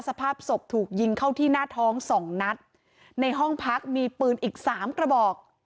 สภาพศพถูกยิงเข้าที่หน้าท้องสองนัดในห้องพักมีปืนอีกสามกระบอก